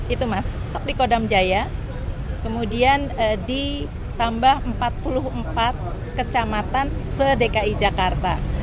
itu mas di kodam jaya kemudian ditambah empat puluh empat kecamatan se dki jakarta